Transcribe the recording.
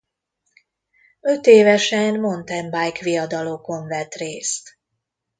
Ötévesen mountainbike-viadalokon vett részt.